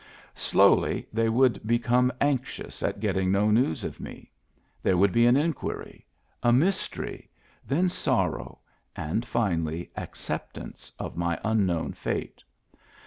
Slowly they would be come anxious at getting no news of me ; there would be an inquiry, a mystery, then sorrow, and finally acceptance of my unknown fate.